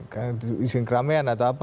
karena izin keramaian atau apa